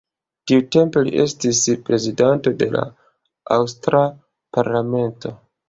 Tiutempe li estis prezidanto de la aŭstra parlamento.